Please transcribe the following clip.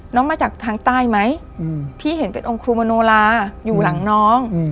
มาจากทางใต้ไหมพี่เห็นเป็นองค์ครูมโนลาอยู่หลังน้อง